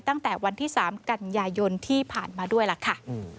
ตั้งแต่วันที่๓กันยายนที่ผ่านมาด้วยล่ะค่ะ